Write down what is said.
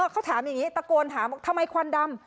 เขาถามอย่างนี้ตะโกนถามทำไมควันดำ